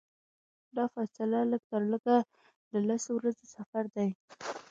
دا فاصله لږترلږه د لسو ورځو سفر دی.